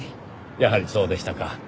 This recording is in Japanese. やはりそうでしたか。